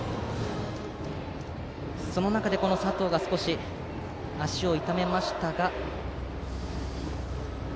その中で佐藤が少し足を痛めましたが。